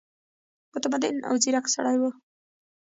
متمدن او ځیرک سړی وو.